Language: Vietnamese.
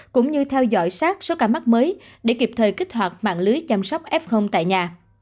cũng như theo dõi sát số ca mắc mới để kịp thời kích hoạt mạng lưới chăm sóc f tại nhà